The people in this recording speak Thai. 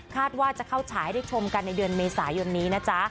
ว่าจะเข้าฉายให้ได้ชมกันในเดือนเมษายนนี้นะจ๊ะ